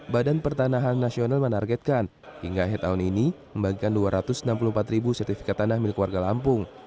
badan pertanahan nasional menargetkan hingga akhir tahun ini membagikan dua ratus enam puluh empat ribu sertifikat tanah milik warga lampung